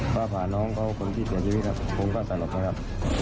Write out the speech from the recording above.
ฟ้าผาน้องเขาคนที่เสียชีวิตครับผมก็สั่นลมนะครับ